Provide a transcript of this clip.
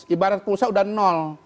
ibarat pulsa sudah nol